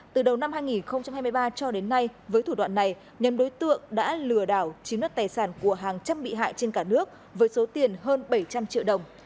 từ đầu năm hai nghìn hai mươi ba cho đến nay với thủ đoạn này nhầm đối tượng đã lừa đảo chiếm đất tài sản của hàng trăm bị hại trên cả nước với số tiền hơn bảy trăm linh triệu đồng